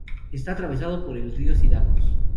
Está atravesado por el río Cidacos.